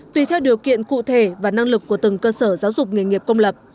tùy theo điều kiện cụ thể và năng lực của từng cơ sở giáo dục nghề nghiệp công lập